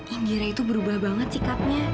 inggirnya itu berubah banget sikapnya